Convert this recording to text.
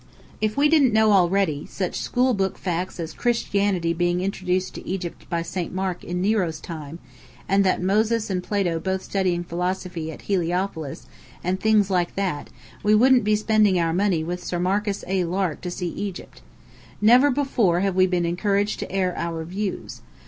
If we didn't know already, such school book facts as Christianity being introduced to Egypt by St. Mark in Nero's time, and Moses and Plato both studying philosophy at Heliopolis, and things like that, we wouldn't be spending our money with Sir Marcus A. Lark to see Egypt. Never before have we been encouraged to air our views.